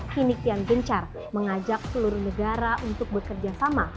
kini kian bencar mengajak seluruh negara untuk bekerjasama